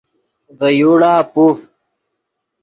ڤے یوڑا پوف